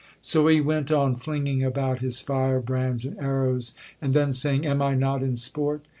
So he went on flinging about his fire brands and arrows, and then saying, 'Am I not in sport?